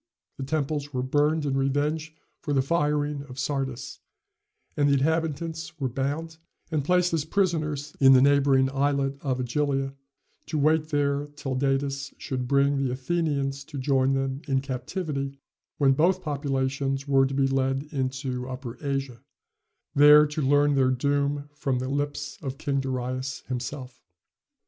The temples were burned in revenge for the firing of Sardis, and the inhabitants were bound, and placed as prisoners in the neighboring islet of Ægilia, to wait there till Datis should bring the Athenians to join them in captivity, when both populations were to be led into Upper Asia, there to learn their doom from the lips of King Darius himself.